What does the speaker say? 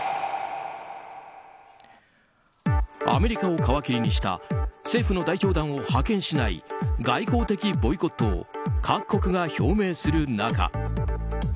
アメリカを皮切りにした政府の代表団を派遣しない外交的ボイコットを各国が表明する中